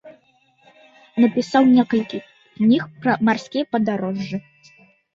Напісаў некалькі кніг пра марскія падарожжы.